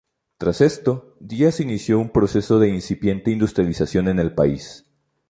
Tras esto, Díaz inició un proceso de incipiente industrialización en el país.